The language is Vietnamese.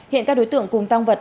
hiện các đối tượng cùng tăng vật